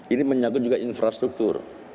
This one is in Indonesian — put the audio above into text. ini menyangkut juga infrastruktur